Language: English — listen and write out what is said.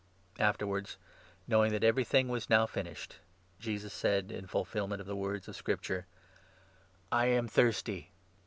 Afterwards, knowing that everything was now 28 Tr.iMu*!' finished, Jesus said, in fulfilment of the words of Scripture : "I am thirsty."